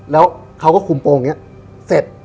แล้วเขาก็คุมโปรงนี้เสร็จ